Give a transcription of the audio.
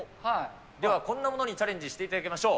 ではこんなものにチャレンジしていただきましょう。